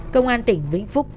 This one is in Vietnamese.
cơ quan tỉnh vĩnh phúc